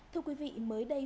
thưa quý vị mới đây